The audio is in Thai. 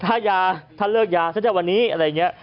ถ้ายาถ้าเลิกยาฉันจะวันนี้อะไรอย่างนี้